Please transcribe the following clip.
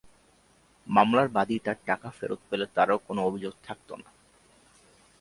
মামলার বাদী তাঁর টাকা ফেরত পেলে তাঁরও কোনো অভিযোগ থাকত না।